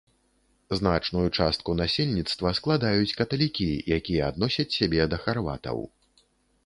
Значную частку насельніцтва складаюць каталікі, якія адносяць сябе да харватаў.